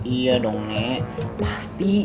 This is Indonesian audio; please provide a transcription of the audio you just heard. iya dong nek pasti